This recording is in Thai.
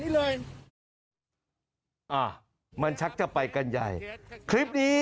ทางนิสัยไม่ดี